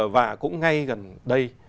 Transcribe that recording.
và cũng ngay gần đây